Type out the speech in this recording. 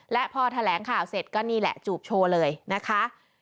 และพอแถลงข่าวเสร็จก็นี่แหละจูบโชว์เลยนะคะ